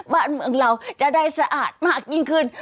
บ้านเมืองเราจะได้สะอาดมากยิ่งขึ้น